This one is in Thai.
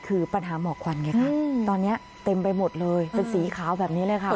คือปัญหาหมอกควันไงคะตอนนี้เต็มไปหมดเลยเป็นสีขาวแบบนี้เลยค่ะ